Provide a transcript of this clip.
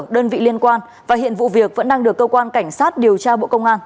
đơn vị liên quan và hiện vụ việc vẫn đang được cơ quan cảnh sát điều tra bộ công an